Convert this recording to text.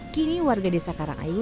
kini warga desa karangayu